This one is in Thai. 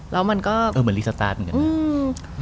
แล้วมันก็เหมือนรีสตาร์ทเหมือนกันนะ